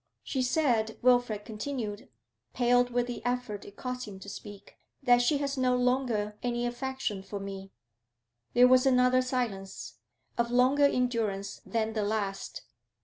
'She said,' Wilfrid continued, pale with the effort it cost him to speak, 'that she has no longer any affection for me.' There was another silence, of longer endurance than the last.